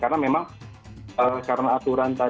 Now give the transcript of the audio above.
karena memang karena aturan tadi